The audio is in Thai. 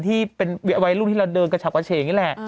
ที่เป็นไว้รูปที่เราเดินกับชาวเกาะเฉยังงี้แหละ